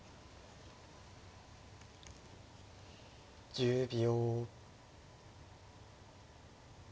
１０秒。